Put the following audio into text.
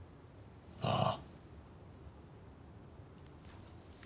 ああ。